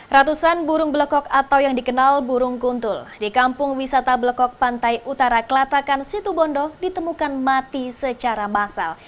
ratusan burung blekok atau yang dikenal burung kuntul di kampung wisata blekok pantai utara kelatakan situbondo ditemukan mati secara massal